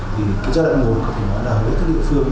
thì cái giai đoạn một của thiên tài là hợp lý các địa phương